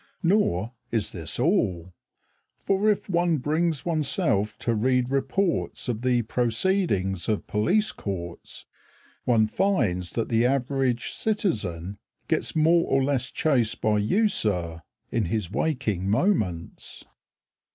Nor is this all, For if one brings oneself To read reports of the proceedings of police courts One finds that the average citizen Gets more or less chased by you sir, In his waking moments.